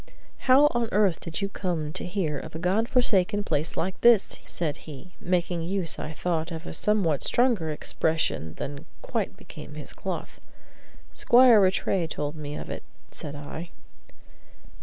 "How on earth did you come to hear of a God forsaken place like this?" said he, making use, I thought, of a somewhat stronger expression than quite became his cloth. "Squire Rattray told me of it," said I.